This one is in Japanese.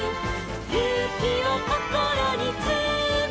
「ゆうきをこころにつめて」